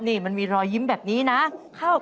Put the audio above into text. นี่มันมีรอยยิ้มแบบนี้นะ